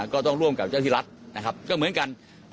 ก็ต้องร่วมกับเจ้าที่รัฐนะครับก็เหมือนกัน